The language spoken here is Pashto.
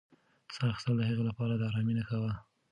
ساه اخیستل د هغې لپاره د ارامۍ نښه وه.